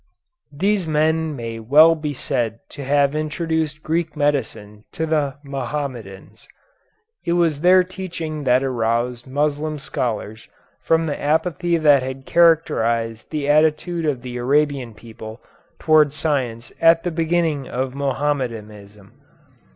These men may well be said to have introduced Greek medicine to the Mohammedans. It was their teaching that aroused Moslem scholars from the apathy that had characterized the attitude of the Arabian people toward science at the beginning of Mohammedanism.